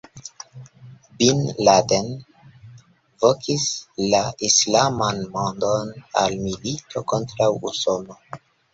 Bin Laden vokis la islaman mondon al milito kontraŭ Usono.